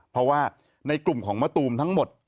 เพราะว่าในกลุ่มของมะตูมทั้งหมด